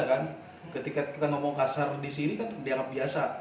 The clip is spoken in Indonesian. ketika kita ngomong kasar di sini kan dianggap biasa